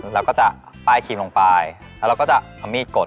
เราก็จะป้ายครีมลงไปแล้วเราก็จะเอามีดกด